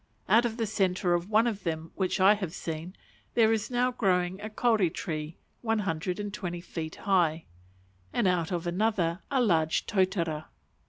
Out of the centre of one of them which I have seen, there is now growing a kauri tree one hundred and twenty feet high, and out of another a large totara.